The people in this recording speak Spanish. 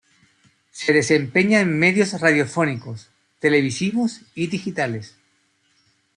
Se desempeña en medios radiofónicos, televisivos y digitales.